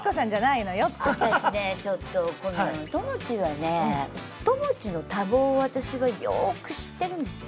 私ねちょっとこのともちはねともちの多忙を私はよく知ってるんですよ。